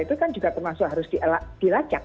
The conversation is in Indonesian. itu kan juga termasuk harus dilacak